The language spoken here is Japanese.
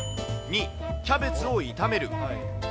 ２、キャベツを炒める。